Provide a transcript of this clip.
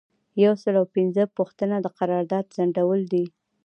یو سل او پنځمه پوښتنه د قرارداد ځنډول دي.